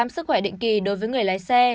sức khỏe định kỳ đối với người lái xe